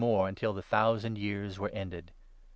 more, until the thousand years were ended.